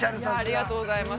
◆ありがとうございます。